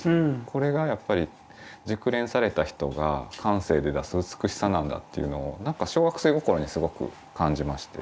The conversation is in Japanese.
これがやっぱり熟練された人が感性で出す美しさなんだっていうのをなんか小学生心にすごく感じまして。